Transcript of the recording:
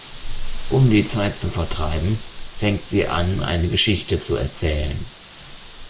Um die Zeit zu vertreiben, fängt sie an, eine Geschichte zu erzählen.